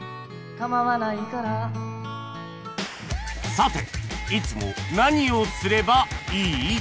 さて「いつも何をすればいい」？